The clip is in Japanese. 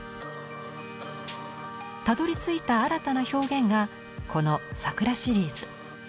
たどりついた新たな表現がこの「桜」シリーズ。